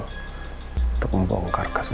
untuk membongkar kasus ini